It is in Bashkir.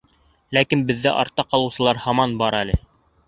Ләкин беҙҙә артта ҡалыусылар һаман бар әле.